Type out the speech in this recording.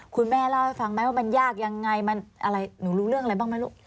คุณแม่เล่าให้ฟังไหมว่ามันยากยังไงมันอะไรหนูรู้เรื่องอะไรบ้างไหมลูก